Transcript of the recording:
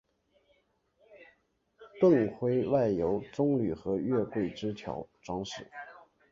盾徽外由棕榈和月桂枝条装饰。